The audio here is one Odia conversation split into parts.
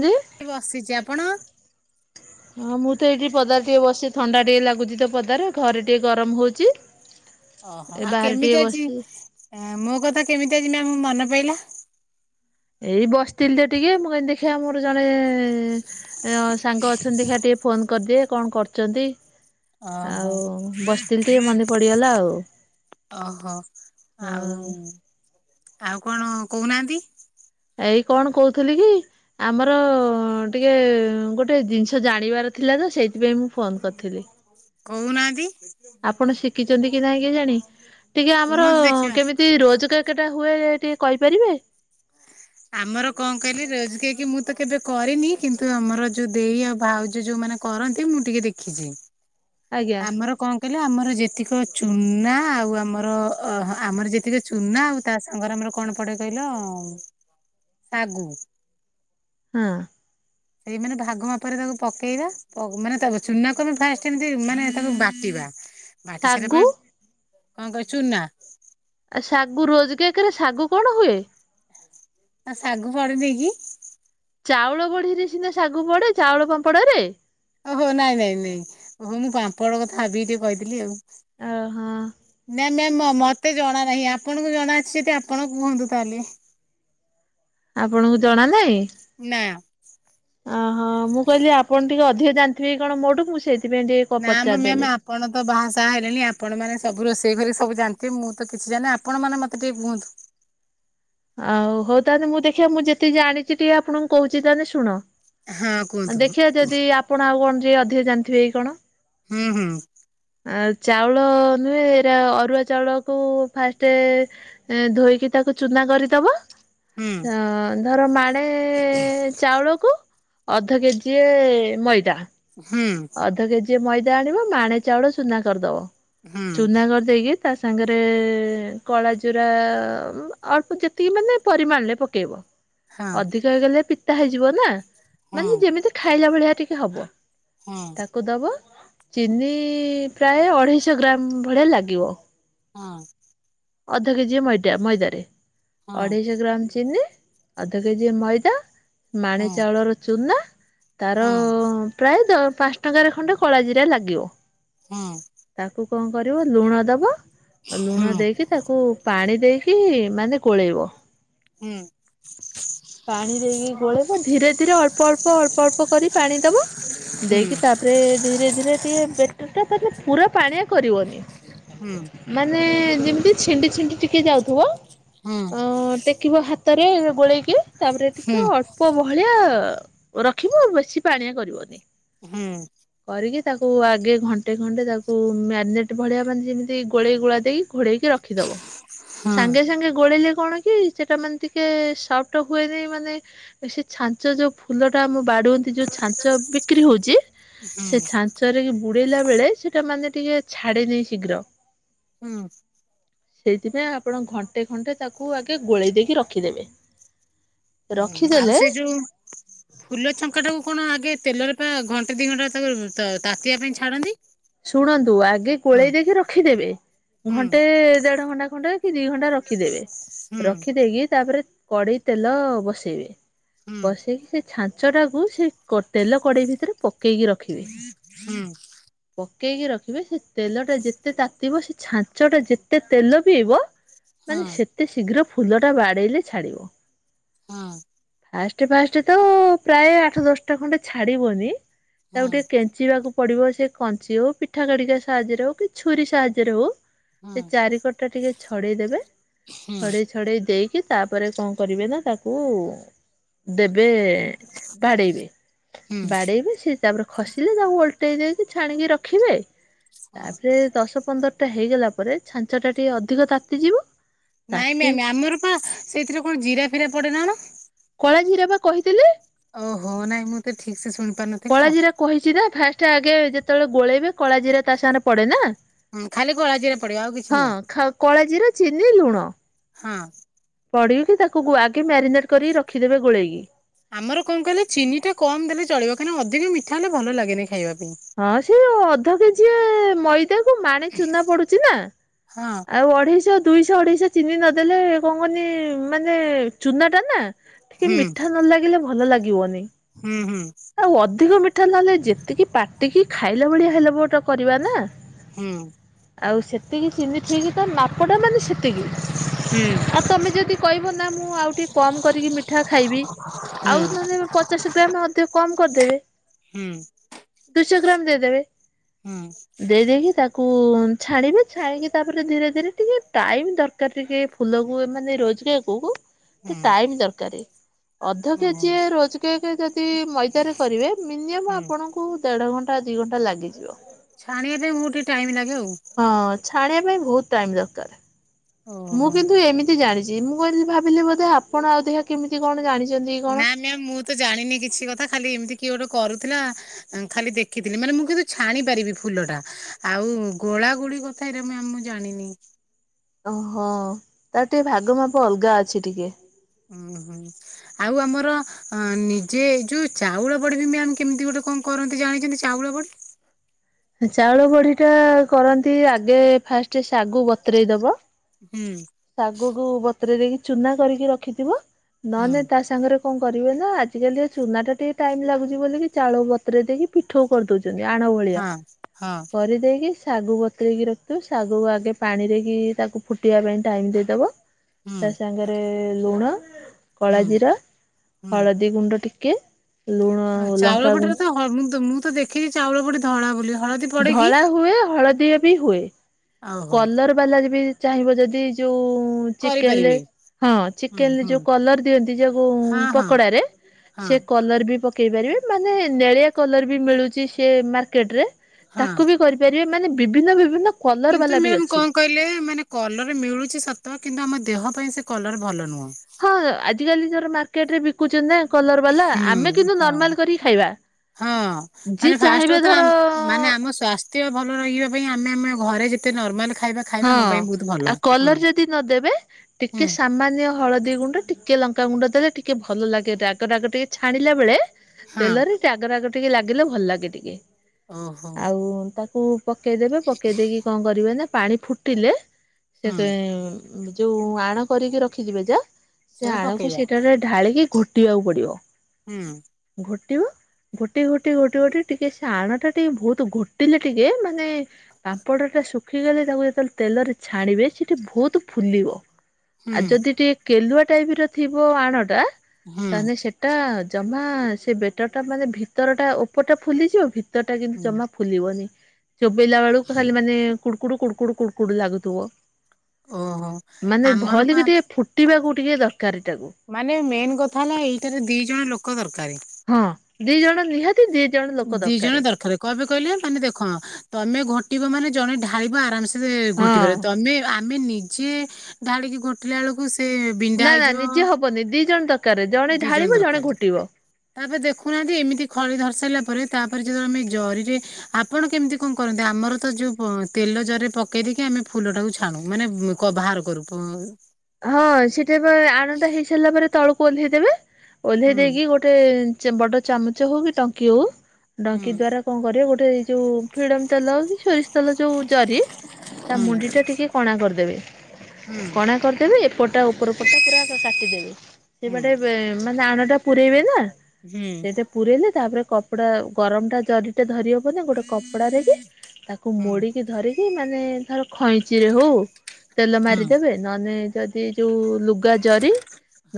ହଁ ବସିଛି ଆପଣ? ହଁ ମୁଁ ତ ଏଇଠି ପଦାର ଟିକେ ବସି ଥଣ୍ଡା ଟିକେ ଲାଗୁଛି ତ ପଦାର ଘରେ ଟିକେ ଗରମ ହେଉଛି ଓହୋ ଆଉ କେମିତି ଅଛି ମୋ କଥା କେମିତି ଆଜିି ମ୍ୟାମ୍ ମନେ ପଡ଼ିଲା? ଏଇ ବସିଥିଲି ତ ଟିକେ ମୁଁ କି ଦେଖିଆ ମୋର ଜଣେ ସାଙ୍ଗ ଅଛନ୍ତି ଦେଖିଆ ଟିକେ ଫୋନ କରିଦି କଣ କରୁଛନ୍ତି? ଓହୋ ଆଉ ବସିଥିଲି ଟିକେ ମନେ ପଡିଗଲା ଆଉ। ଓହୋ ଆଉ ହଁ ଆଉ କଣ କହୁନାହାନ୍ତି? ଏଇ କଣ କହୁଥିଲି କି ଆମର ଟିକେ ଗୋଟେ ଜିନିଷ ଜାଣିବାର ଥିଲା ସେଇଥିପାଇଁ ମୁଁ ଫୋନ କରିଥିଲି କହୁନାହାନ୍ତି। ଆପଣ ଶିଖିଛନ୍ତି କି ନାଇଁ କି ଜାଣି? ଟିକେ ଆମର କୁହନ୍ତୁ ଦେଖିବା କେମିତି ରୋଜଗାର କେଟା ହୁଏ ଟିକେ କହିପାରିବେ? ଆମର କଣ କହିଲି ରୋଜ କେକ୍ କେବେ ମୁଁ ତ କେବେ କରିନି କିନ୍ତୁ ଆମର ଯୋଉ ଦେଇ ଆଉ ଭାଉଜ ଯୋଉ ଯୋଉ ମାନେ କରନ୍ତି ମୁଁ ଟିକେ ଦେଖିଛି ଆଜ୍ଞା। ଆମର କଣ କହିଲେ ଆମର ଯେତିକ ଚୁନା ଆଉ ଆମର ଅ ଆମର ଯେତିକି ଚୁନା ଆଉ ତା ସାଙ୍ଗରେ ଆମର କଣ ପଡେ କହିଲ ଶାଗୁ ହଁ। ସେ ମାନେ ଭାଗ ମାପରେ ତାକୁ ପକେଇବା ମାନେ ତା ଚୁନାକୁ ଆମେ ଫାଷ୍ଟ ଏମତି ମାନେ ତାକୁ ବାଟିବା ବାଟି ସାରିଲା ଶାଗୁ ପରେ କଣ କଚୁନ ନା ଆ ଶାଗୁ ରୋଜ କେକ ରେ ଶାଗୁ କଣ ହୁଏ? ଆଉ ଶାଗୁ ଫଳ ଦେଇକି ଚାଉଳ ବଢିରେ ସିନା ଶାଗୁ ପଡେ ଚାଉଳ ପାମ୍ପଡରେ ଓହୋ ନାଇଁ ନାଇଁ ନାଇଁ ଓହୋ ମୁଁ ପାମ୍ପଡ କଥା ଭାବି ଟିକେ କହିଥିଲି ଆଉ। ଓ ହୋ। ନା ମ୍ୟା ମତେ ଜଣା ନାହିଁ ଆପଣଙ୍କୁ ଜଣା ଅଛି ଯଦି ଆପଣ କୁହନ୍ତୁ ତାହେଲେ। ଆପଣଙ୍କୁ ଜଣା ନାାଇଁ? ନା। ଅହୋ ମୁଁ କହିଲି ଆପଣ ଟିକେ ଅଧିକ ଜାଣିଥିବେ କି କଣ ମୋଠୁକୁ ମୁଁ ସେଇି ନା ମ ମ୍ୟାାମ ଆପଣ ତ ବାହା ତାହା ହେଲେଣି ଆପଣମାନେ ସବୁ ରୋଷେଇ କରିିକ ସବୁ ଜାନ୍ତିେ ମୁଁ ତ କିଛି ଜାଣିନି ଆପଣ ମ ମତେ ଟିକେ କୁହନ୍ତୁ। ଆଉ ହଉ ତାହେଲେ ମୁଁ ଦେଖିବା ମୁଁ ଯେତିେି ଜାଣିଛି ଟିକେ ଆପଣଙ୍କୁ କହୁଛି ତାହେଲେ ଶୁଣ। ହଁ କୁହନ୍ତୁ ଦେଖିବା ଯଦି ଆପଣ ଆଉ କଣ ଯ ଅଧିକ ଜାଣିଥିବେ ଏଇ କଣ। ହୁଁ ହୁଁ। ଆଉ ଚାଉଳ ନୁହେଁ ଏରା ଅରୁଆ ଚାଉଳକୁ ଫାଷ୍ଟ ଧୋଇକି ତାକୁ ଚୁନା କରିଦବା ହୁଁ ଧର ମାଡେ ଚାଉଳକୁ ଅଧ କେଜି ମଇଦା ହୁଁ। ଯିଏ ମଇଦା ଆଣିବ ମାଣେ ଚାଉଳ ଚ ଚୁନା କରିଦବ ହୁଁ ଚ ସଚୁନା କରିଦେଇକି ତା ସାଙ୍ଗରେ କଳା ଜିରା ଅଳ୍ପ ଯେତିକି ମାନେ ପରିମାଣରେ ପକେଇବ ହଁ ଅଧିକ ହେଇଗଲେ ପିତା ହେଇଯିବ ନା ହଁ ମାନେ ଯେମିତି ଖାଇଲା ଭଳିଆ ଟିକେ ହବ ହଁ ତାକୁ ଦବ ଚିନି ପ୍ରାୟ ଅଢେଇଶହ ଗ୍ରାମ ଭଳିଆ ଲାଗିବ ହଁ। ଅଧ କେଜିଏ ମଇଦା ମଇଦାରେ ହଁ ଅଢେଇଶ ଗ୍ରାମ ଚିନି ଅଧ କେଜିଏ ମଇଦା। ମାଣେ ଆଉ ଚାଉଳର ଚୁନା ତାର ପ୍ରାୟ ଦ ପାନସ୍ ଟଙ୍କାରେ ଖଣ୍ଡେ କଳା ଜିରା ଲାଗିବ। ହୁଁ। ତାକୁ କଣ କରିବ ଲୁଣ ଦବ ଆ ଲୁଣ ଦେଇକି ତାକୁ ପାଣି ଦେଇକି ମାନେ ଗୋଳେଇବ ହୁଁ ପାଣି ଦେଇକି ଗୋଳେଇବ ଧୀରେ ଧୀରେ ଅଳ୍ପ ଅଳ୍ପ ଅଳ୍ପ ଅଳ୍ପ କରି ପାଣି ଦବ। ଦେଇକି ତାପରେ ଧୀରେ ଧୀରେ ଟିକେ ବେଟର ଟା ମାନେ ପୁରା ପାଣିଆ କରିବନି ମାନେ ଯେମିତି ଛିଣ୍ଡି ଛିଣ୍ଡି ଟିକିଏ ଯାଉଥୁବ ଅ ଟେଖିବ ହାତରେ ଗୋଳେଇକି ତାପରେ ଟିକେ ଅଳ୍ପ ବହଳିଆ ରଖିବୁ ଆଉ ବେଶି ପାଣିଆ କରିବନି। ହୁଁ କରିକି ତାକୁ ଆଗେ ଘଣ୍ଟେ ଘଣ୍ଟେ ତାକୁ ମ୍ୟାରିନେଟ୍ ଭଳିଆ ଯେମିତି ଗୋଳେଇ ଗୁଳା ଦେଇ ଘୋଡ଼େଇକି ରଖିଦବ ସାଙ୍ଗେ ସାଙ୍ଗେ ଗୋଳେଇଲେ କଣ କି ସେଟା ମାନେ ଟିକେ ସଫ୍ଟ ଟ ହୁଏନି ମାନେ ସେ ଛାଞ୍ଚ ଯୋଉ ଫୁଲଟା ଆମ ବାଡୁନ୍ତି ଯୋଉ ଛାଞ୍ଚ ବିକ୍ରି ହଉଚି ସେ ଛାଞ୍ଚରେ ବୁଡେଇଲା ବେଳେ ସେଟା ମାନେ ଟିକେ ଛାଡେନି ଶୀଗ୍ର। ହୁଁ। ସେଇଥିପାଇଁ ଆପଣ ଘଣ୍ଟେ ଖଣ୍ଟେ ତାକୁ ଆଗେ ଗୋଳେଇ ଦେଇକି ରଖିଦେବେ। ହୁଁ ରଖିଦେଲେ ଆଉ ସେଇ ଯୋଉ ଫୁଲ ଛଙ୍କା ଟାକୁ କଣ ଆଗେ ତେଲରେ ପା ଘଣ୍ଟେ ଦି ଘଣ୍ଟା ତାକୁ ତାତିିବା ପାଇଁ ଛାଡ଼ନ୍ତି। ଶୁଣନ୍ତୁ ଆଗେ କୋଳେଇ ଦେଇକି ରଖିଦେବେ। ହୁଁ ଘଣ୍ଟେ ଦେଢ ଘଣ୍ଟା ଖଣ୍ଡେ କି ଦି ଘଣ୍ଟା ରଖିଦେବେ ହୁଁ ରଖିଦେଇକି ତାପରେ କଡେଇ ତେଲ ବସେଇବେ ବସେଇକି ସେ ଛାଞ୍ଚଟାକୁ ସେ ତେଲ କଡ଼େଇ ଭିତରେ ପକ ହୁଁ ପକେଇକି ରଖିବେ ସେ ତେଲ ଟା ଯେତେ ତାତିିବ ସେ ଛାଞ୍ଚ ଟା ଯେତେ ତେଲ ପିଇବ ହୁଁ ମାନେ ସେତେ ଶୀଘ୍ର ଫୁଲ ଟା ବାଡ଼େଇଲେ ଛାଡିବ। ହଁ [inaudible] ଫାଷ୍ଟ ଫାଷ୍ଟ ତ ପ୍ରାୟ ଆଠ ଦଶଟା ଖଣ୍ଡେ ଛାଡ଼ିବନି ହଁ ତାକୁ ଟିକେ କେଞ୍ଚିବାକୁ ପଡିବ ସେ କଞ୍ଚି ହଉ ପିଠା କାଡିକା ସାହାଯ୍ୟରେ ହଉ କି ଛୁରୀ ସାହାଯ୍ୟରେ ହଉ ହଁ ସେ ହଁ ଚାରି ପଟ ଟା ଟିକେ ଛଡେଇଦବେ ହୁଁ ଛଡେଇ ଛଡେଇ ଦେଇ କି ତାପରେ କଣ କରିବେ ନା ତାକୁ ଦେବେ ବାଡେଇବେ ହୁଁ ବାଡେଇବେ ସେ ତାପରେ ଖସିଲେ ତାକୁ ଓଲଟେଇ ଦେଇକି ଛାଣିକି ରଖିବେ ହଁ ତାପରେ ଦଶ ପନ୍ଦରଟା ହେଇଗଲା ପରେ ଛାଞ୍ଚ ଟା ଟିକେ ଅଧିକ ତାତିଯିବ ନାଇଁ ତାତି ମ୍ୟାମ ଆମର ପା ସେଇଥିରେ କଣ ଜିରା ଫିରା ପଡେନା କଣ? କଳାଝିର ବା କହିଥିଲି। ଓହୋ ନାଇଁ ମୁଁ ତ ଠିକ ସେ ଶୁଣି ପାରୁନଥିଲି ତ ସେ ଆଗେ ଯେତେବେଳେ ଗୋଳେଇବେ କଳା ଜିରି ତା ସାଙ୍ଗରେ ପଡେ ନା। ହୁଁ, ଖାଲି କଳା ଜିରା ପଡିବ ଆଉ କିଛି ହଁ ନୁହଁ ଖା କଳା ଜିରା, ଚିନି, ଲୁଣ। ହଁ। ପଢିକି ତାକୁ ଗୁ ଆ ଆମର କଣ କଇଲେ ଚିନି ଟା କମ ଦେଲେ ଚଳିବ କାହିଁକି ଅଧିକ ମି ଠା ହେଲେ ଭଲ ଲାଗେନି ଖାଇବାକୁ। ହଁ ସେ ଅଧ କେଜିଏ ମଇ ଦା କୁ ମାଣିେ ଚୁନା ପଡୁଚି ନା ହଁ ଆଉ ଅଢେଇଶ ଦୁଇଶହ ଅଢେଇଶହ ଚିନି ନଦେଲେ କଣ କହନି ମାନେ ଚୁନା ଟା ନା ଟିକେ ହୁଁ ମିଠା ନ ଲାଗିଲେ ଭଲ ଲାଗିବନି। ହୁଁ ହୁଁ ଆଉ ଅଧିକ ମିଠା ନହେଲେ, ଯେତିକି ପାଟିକି ଖାଇଲା ଭଳିଆ ହେଲେ ବୋଟ କରିବା ନା ହୁଁ। ଆଉ ସେତିକି ଚିନି ଠିକ୍ ତା ମାପଟା ମାନେ ହୁଁ ସେତିକି ଆଉ ତମେ ଯଦି କହିବ ନା ମୁଁ ଆଉ ଟିକେ କମ୍ କରିକି ମିଠା ଖାଇବି ହୁଁ ଆଉ ନହେଲେ ପଚାଶ ଗ୍ରାମ ଅଧେ କମ କରିଦେବେ। ହୁଁ [inaudible] ସିଗରନ୍ ଦେଇଦେବେ ହୁଁ ଦେଇ ଦେଇକି ତାକୁ ଛାଣିବେ ଛାଣିକି ତାପରେ ଧୀରେ ଧୀରେ ଟିକେ ଟାଇମ୍ ଦରକାର, ଟିକେ ଫୁଲକୁ ମାନେ ରୋଜକେକକୁ ହୁଁ ତ ଟାଇମ ଦରକାର ଅଧ ଓହୋ କେଜିଏ ରୋଜକେକ୍ ଯଦି ମଇ ଭିତରେ କରିବେ, ମିନିମମ୍ ଆପଣଙ୍କୁ ଦେଢଘଣ୍ଟା ଦି ଘଣ୍ଟା ଲାଗେ। ଛାଣିବେ ଉ ଟିକେ ଟାଇମ ଲାଗେ ଆଉ ହଁ ଛାଡିବା ପାଇଁ ବହୁତ ଟାଇମ ଦରକାର, ମୁଁ ଓହୋ। କିନ୍ତୁ ଏମିତି ଜାଣିଛି। ଯେ ମୁଁ କହିି ଭାବିଲି, ବୋଧେ ଆପଣ ଦେହ କେମିତି କଣ ଜାଣି ନା ମ୍ୟାମ୍ ମୁଁ ତ ଜାଣିନି କିଛି କଥା ଖାଲି ଏମିତି କିଏ ଗୋଟେ କରୁଥିଲା ଖାଲି ଦେଖିଥିଲି, ମାନେ ମୁଁ କିନ୍ତୁ ଛାଣି ପାରିବି ଫୁଲଟା ଆଉ ଗୋ ଗୋଳା ଗୁଳି କଥା ତ ମୁଁ ମ୍ୟାମ୍ ଜାଣିନି । ଓହୋ ତାର ଟିକେ ଭାଗ ମାପ ଅଲଗା ଅଛି ଟିକେ ହଁ ହୁଁ ଆଉ ଆମର ନିଜେ ଯୋଉ ଚାଉଳ ପଡିବି ମ୍ୟାମ୍ କେମିତି ଗୋଟେ କଣ କରନ୍ତି ଜାଣିଚନ୍ତି ଚାଉଳ ବଟ ହଁ [inaudible] ଚାଉଳ ବଡି ଟା କରନ୍ତି, ଆଗେ ଫାଷ୍ଟ ସାଗୁ ବତୁରେଇ ଦବ। ହୁଁ ଶାଗୁକୁ ବତୁରେଇ ଦେଇକି ଚୁନା କରିକି ରଖିଥିବ ନ ନେ ହୁଁ ତା ସାଙ୍ଗରେ କଣ କରିବେ ନା ଆଜିକାଲି ଏ ଚୁନା ଟା ଟିକେ ଟାଇମ୍ ଲାଗୁଛି, ବୋଲିକି ଚାଉଳ ବତୁରେଇ ଦେଇକି ପିଠୋଉ କରିଦଉଛି । ଆଣ ଭଳିଆ ହଁ ହଁ କରିଦେଇକି ଶାଗୁ ବତଳେଇକି ରଖିଥିବୁ ଶାଗୁ ଆଗେ ପାଣିରେ କିି ତାକୁ ଫୁଟିବା ପାଇଁ ଟାଇମ ଦେଇଦବ। ହୁଁ ତା ସାଙ୍ଗରେ ଲୁଣ କଳା ହୁଁ ଜିରା ହୁଁ। ହଳଦୀ ଗୁଣ୍ଡ ଟି ଚାଉଳ ପଡିରେ ତ ମୁଁ ମୁଁ ତ ଦେଖିଛିି ଚାଉଳ ପଡି ଧଳା ବୋଲି ହଳଦୀ ପଡେ କି? ଧଳା ହୁଏ ହଳଦିଆ ବି ହୁଏ ଓହୋ କଲର ବାଲାରେ ବି ଚାହିଁବ ଯଦି ଯୋଉ ଚିକେନ କରିପାରିବେ ହଁ ହୁଁ ଚିକେନରେ ହୁଁ ଯୋଉ କଲର ଦିଅନ୍ତି ଯୋଉ ହଁ ହଁ ପକୋଡ଼ାରେ ହଁ ସେ କଲର ବି ପକେଇ ପାରିବେ ମାନେ ନେଳିଆ କଲର ବି ମିଳୁଚି ସେ ମାର୍କେଟ ରେ ହଁ। ତାକୁ ବି କରିପାରିବେ, ମାନେ ବିଭିନ୍ନ ବିଭିନ୍ନ କଲର କିନ୍ତୁ ବାଲା। ବି ମ୍ୟାମ୍ ଅଛି। କଣ କହିଲେ ମାନେ କଲର୍ ମିଳୁଛି ସତ କିନ୍ତୁ ଆମ ଦେହ ପାଇଁ ସେ କଲର ଭଲ ନୁହେଁ । ହଁ ଆଜିକାଲି ଯୋର ମାର୍କେଟ ରେ ବିକୁଛନ୍ତି ନା କଲର ବାଲା ହୁଁ ଆମେ କିନ୍ତୁ ହଁ ନର୍ମାଲ କରିକି ଖାଇବା। ହଁ ଯିଏ ମାନେ ଫାଷ୍ଟ ଚାହିଁବେ କଥା ଧର ମାନେ ଆମ ସ୍ୱାସ୍ଥ୍ୟ ଭଲ ରହିବ। ମେ ଆମେ ଆମେ ଘରେ ଯେତେ ନର୍ମାଲ ଖାଇବା ଖାଇବା ହଁ ଆମ ପାଇଁ ବହୁତ ଭଲ। ଆଉ ହୁଁ କଲର ଯଦି ନଦେବେ ହୁଁ ଟିକେ ସାମାନ୍ୟ ହଳଦୀ ଗୁଣ୍ଡ ଟି ଟିକେ ଲଙ୍କାଗୁଣ୍ଡ ଦେଲେ ଟିକେ ଭଲ ଲାଗେ ରାଗ ରାଗ ଟିକେ ଛାଣିଲା ବେଳେ ହଁ ତେଲରେ ରାଗ ରାଗ ଟିକେ ଲାଗିଲେ ଭଲ ଲାଗେ ଟିକେ ଓହୋ ଆଉ ତାକୁ ପକେଇଦେବେ ପକେଇ ଦେଇକି କଣ କରିବେ, ନା ପାଣି ଫୁଟିଲେ ହୁଁ ସେବେ ଯୋଉ ଆଣ କରିକି ରଖିଯିବେ ଯା, ସେ ସେଟା ଆଣକୁ ପକେଇବା ସେଠାରେ ଢାଳିକି ଘୋଟିବାକୁ ପଡିବ। ହୁଁ। ଘୋଟିବ। ଗୋଟିେ ଗୋଟିେ ଗୋଟିେ ଗୋଟିେ ଟିକେ ସେ ଆଣଟା ଟିକେ ବହୁତ ଗୋଟିଲେ ଟିକେ ମାନେ ପାମ୍ପଡ଼ ଟା ଶୁଖ ଶୁଖିଗଲେ ତାକୁ ଯେତେବେଳେ ତେଲରେ ଛାଣିବେ ସେଇଠି ବୋହୁତ ଫୁଲିବ। ଆଉ ହୁଁ ଯଦି ଟିକେ କେଲୁଆ ଟାଇପର ଥିବ, ଆଣ ଟା ହୁଁ ତାହେଲେ ସେଟା ଜମା ସେ ବେଟରଟା ମାନେ ଭିତରଟା ଉପରଟା ଫୁଲିଯିବ ଭିତରଟା କିନ୍ତୁ ହୁଁ ଜମା ଫୁଲିବନି । ଚୋବେଇଲା ବେଳକୁ ଖାଲି ମାନେ କୁଡୁକୁଡୁ କୁଡୁ କୁଡୁ ଲାଗୁଥିବ। ଓହୋ ମାନେ ଆମର ପା ଭଲିକି ଟିକେ ଫୁଟିବାକୁ ଟିକେ ଦର ମାନେ ମେନ୍ କଥା ହେଲା ଏଇଟାରେ ଦି ଜଣ ଲୋକ ଦରକାର। ହଁ ଦି ଜଣ ନିହାତି ଦି ଜଣ ଲୋକ ଦି ଦରକାରେ। ଜଣ ଦରକାର କଣପେ କହିଲେ ମାନେ ଦେଖ ତମେ ଘୋଟିବ ମାନେ ଜଣେ ଢାଳିବ ଆରାମସେ ହଁ ଘୋଟିବାରେ ତମେ ଆମେ ନି ଯେ ଧାଳିକି ଗୋଟିଲା ବେଳକୁ ସେ ବିଣ୍ଡା ହେଇଯିବ। ବନି ଦି ଜଣ ତା ଦି ଜଣ ଦରକାର ତାପରେ ଦେଖୁନାହାନ୍ତି ଏମିତି ଖଳି ଧରିସାରିଲା ପରେ ତାପରେ ଯେତେବେଳେ ଆମେ ଜରିରେ ଆପଣ କେମିତି କଣ କରନ୍ତି ଆମର ତ ଯୋଉ ତେଲ ଜରିରେ ପକେଇ ଦେଇକି ଆମେ ଫୁଲଟାକୁ ଛାଣୁ ମାନେ କ ବାହାର କରୁ ହଁ ସେଟା ବା ଆଣଟା ହେଇ ସାରିଲା ପରେ ତଳୁକୁ ଓଲେହିଦେବେ। ଓହ୍ଲେଇ ହୁଁ ଦେଇକି ଗୋଟେ ଚ୍ ବଡ ଚାମଚ ହଉ କି ଟଙ୍କି ହଉ ଡଙ୍କି ଦ୍ଵାରା କଣ କରିବେ ଗୋଟେଇ ଯୋଉ ଫିଡମ ତେଲ କି ସୋରିଷ ତେଲ ଯୋଉ ଜରି ତା ହୁଁ ମୁଣ୍ଡି ଟା ଟିକେ କଣା କରିଦେବେ। ହୁଁ। କଣା କରିଦେବେ ଏପଟା ଉପର ପଟା ପୁରା କାଟିଦେବେ ସେପଟେ ହୁଁ ମାନେ ଆଣ ଟା ପୁରଇବେ ନା ହୁଁ ସେଇଟା ପୁରଇଲେ ତାପରେ କପଡା ଗରମ ଟା ଜରିଟା ଧରିହବ ନା ଗୋଟେ କପଡ଼ ଡାରେ କି? ତାକୁ ହୁଁ ମୋଡିକି ଧରିକି ମାନେ ଧର ଖଇଁଚି ରେ ହଉ ତେଲ ହୁଁ ମାରିଦେବେ ନହେନେ ଯଦି ଯୋଉ ଲୁଗା ଜରି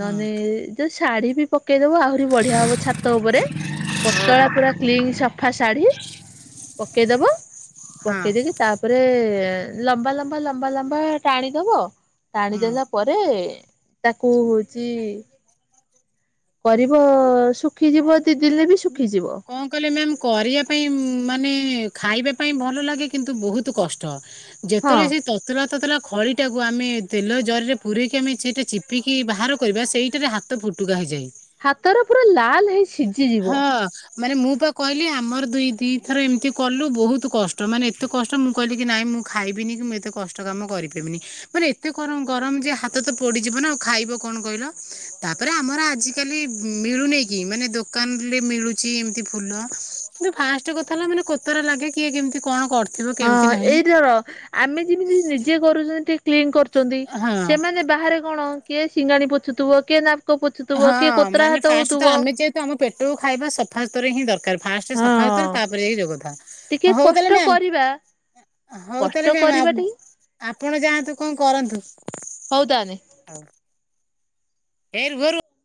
ନହେଲେ ଯୋଉ ଶାଢୀ ବି ପକେଇଦବୁ ଆହୁରି ବଢିଆ ହବ ଛାତ ଉପରେ ପତଳା ପୁରା କ୍ଲିନ ସଫା ଶାଢୀ। ପକେଇଦବ ପକେଇ ଦେଇକି ତାପରେ ଲମ୍ବା ଲମ୍ବା ଲମ୍ବା ଲମ୍ବା ଟାଣିଦବ ଟାଣି ହୁଁ। ଦେଲା ପରେ ତାକୁ ହଉଛି କରିବ ଶୁଖିଯିବ ତିଦିଲେ ବି ଶୁଖିଯିବ। କଣ କଲେ ମ୍ୟାମ୍ କରିବା ପାଇଁ ମାନେ ଖାଇବା ପାଇଁ ଭଲ ଲାଗେ କିନ୍ତୁ ବହୁତ କଷ୍ଟ। ହଁ ଯେତେବେଳେ ସେ ତତଲା ତତଲା ଖଳି ଟାକୁ କୁ ଆମେ ତେଲ ଜରରେ ପୁରରେକି ଆମେ ସେଟା ଚିପିକି ବାହାର କରିବା ସେଇଟାରେ ହାତ ଫୁଟୁକା ହୋଇଇଯାଏ। ହାତ ର ପୁରା ଲାଲ ହେଇ ସିଝିଯିବ। ହଁ ମାନେ ମୁଁ ବା କହିଲି ଆମର ଦୁ ଦି ଥର ଏମିତି କଲୁ ବହୁତ କଷ୍ଟ ମାନେ ଏତେ କଷ୍ଟ ମୁଁ କହିଲି କି ନାଇଁ ମୁଁ ଖାଇବିନି କି ମୁଁ ଏତେ କଷ୍ଟ କାମ କରିପାରିବିନି ମାନେ ଏତେ ଗର ଗରମ ଯେ ହାତ ତ ପଡିଯିବ ନାଉ ଖାଇ କଣ କହିଲ ତାପରେ ଆମର ଆଜିକାଲି ମିଲୁନି କି ମାନେ ଦୋ କାନ ରେ ମିଳୁଛି ଏମତି ଫୁଲ କି ଫାଷ୍ଟ କଥା ହେଲା ମାନେ କୋତରା ଲାଗେ କିଏ କେମତି କଣ କର ହଁ ଏଇଟାର ଆମେ ଯେମିତି ନିଜେ କରୁଛନ୍ତି ଟିକେ କ୍ଲିନ କରୁ ହଁ ସେମାନେ ବାହାରେ କଣ କିଏ ସିଙ୍ଗାଣି ପୋଛୁଥିବ କିଏ ନା ହଁ ମାନେ ଫାଷ୍ଟ ତ ଆମେ ଯେହେତୁ ଆମ ପେଟକୁ ଖାଇବା ସଫା ସୁତୁରା ହିଁ ଦରକାର। ଫାଷ୍ଟେ ହଁ ସଫା ସୁତୁର ତାପରେ ଏଇ ଯୋଉ କଥା ଟିକେ ହଉ ତାଲେ କଷ୍ଟ ମ୍ୟାମ୍ କରିବା ହଉ ତାଲେ କଷ୍ଟ ମ୍ୟାମ କରିବା ଟିକେ ଆପଣ ଯାଆନ୍ତୁ କଣ କରନ୍ତୁ। [unintelligible] ଏର୍ ଘୋରୁ